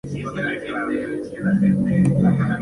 Igualmente ha cantado Lieder de Franz Schubert en recitales.